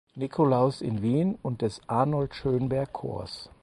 Nikolaus in Wien und des Arnold Schoenberg Chors.